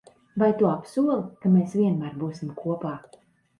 Vai tu apsoli, ka mēs vienmēr būsim kopā?